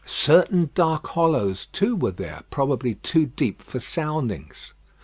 Certain dark hollows, too, were there, probably too deep for soundings.